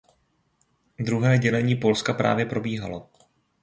Druhé dělení Polska právě probíhalo.